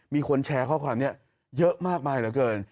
มีคนแชร์ข้อความนี้เยอะมากมายเหลือเกิน